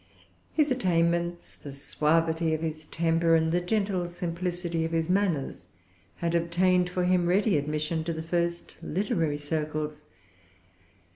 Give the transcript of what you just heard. His attainments, the suavity of his temper, and the gentle simplicity of his manners, had obtained for him ready admission to the first literary circles.